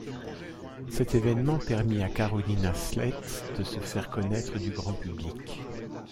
Cet événement permis à Caroline Haslett de se faire connaître du grand public.